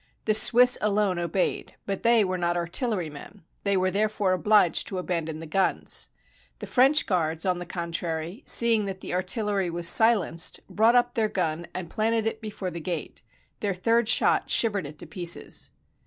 The Swiss alone obeyed; but they were not artillerymen; they were therefore obliged to abandon the guns. The French guards, on the contrary, seeing that the artillery was silenced, brought up their gun and planted it before the gate; their third shot shivered it to pieces.